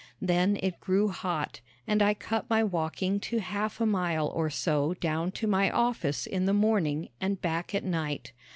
Then it grew hot, and I cut my walking to half a mile or so down to my office in the morning and back at night.